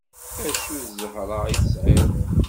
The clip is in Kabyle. Acu n zher-a i tesɛiḍ!